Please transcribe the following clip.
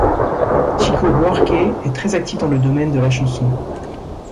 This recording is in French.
Chico Buarque est très actif dans le domaine de la chanson.